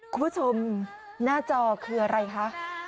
คุณผู้ชมหน้าจอคืออะไรคะ